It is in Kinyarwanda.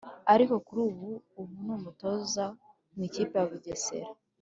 ariko kuri ubu n’umutoza mu ikipe ya bugesera